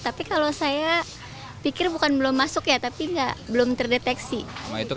tapi kalau saya pikir bukan belum masuk ya tapi belum terdeteksi